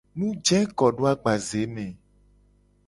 Nujekodoagbazeme.